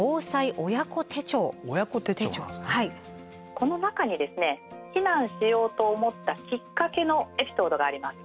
この中にですね避難しようと思ったきっかけのエピソードがあります。